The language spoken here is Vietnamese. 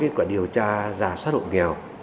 theo kết quả điều tra giả soát hộ nghèo